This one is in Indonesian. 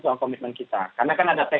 soal komitmen kita karena kan ada